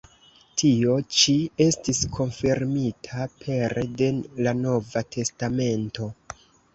Tio ĉi estis konfirmita pere de la Nova Testamento.